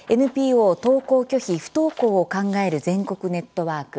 ＮＰＯ登校拒否・不登校を考える全国ネットワーク。